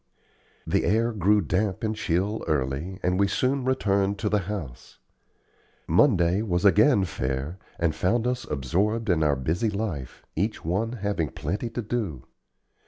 The air grew damp and chill early, and we soon returned to the house. Monday was again fair, and found us absorbed in our busy life, each one having plenty to do.